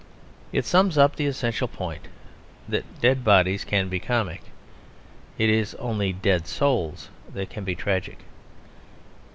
It sums up the essential point, that dead bodies can be comic; it is only dead souls that can be tragic.